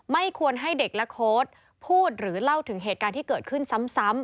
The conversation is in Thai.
ไม่ควรให้เด็กและโค้ดพูดหรือเล่าถึงเหตุการณ์ที่เกิดขึ้นซ้ำ